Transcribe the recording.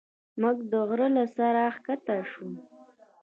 موږ د غره له سره ښکته شوو.